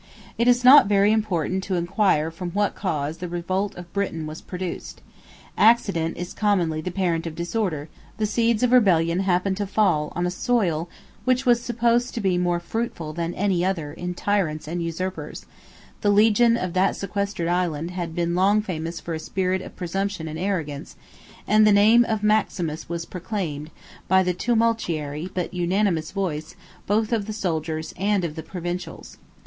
It is not very important to inquire from what cause the revolt of Britain was produced. Accident is commonly the parent of disorder; the seeds of rebellion happened to fall on a soil which was supposed to be more fruitful than any other in tyrants and usurpers; 8 the legions of that sequestered island had been long famous for a spirit of presumption and arrogance; 9 and the name of Maximus was proclaimed, by the tumultuary, but unanimous voice, both of the soldiers and of the provincials.